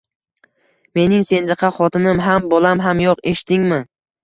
Mening sendaqa xotinim ham, bolam ham yo`q, eshitdingmi